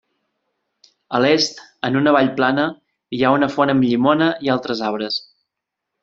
A l'est, en una vall plana, hi ha una font amb llimona i altres arbres.